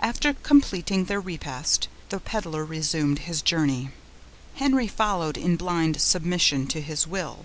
After completing their repast, the peddler resumed his journey. Henry followed in blind submission to his will.